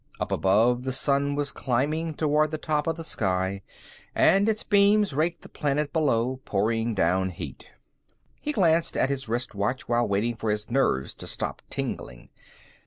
Up above, the sun was climbing toward the top of the sky, and its beams raked the planet below, pouring down heat. He glanced at his wristwatch while waiting for his nerves to stop tingling.